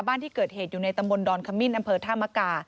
บ้านที่เกิดเหตุอยู่ในตำบลดอนขมิ้นอำเภอธามกา